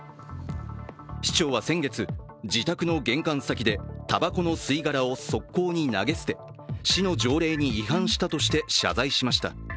市長は先月、自宅の玄関先でたばこの吸い殻を側溝に投げ捨て市の条例に違反したとして謝罪しました。